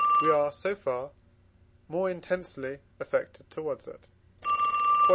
we are, so far, more intensely affected towards it. Q.E.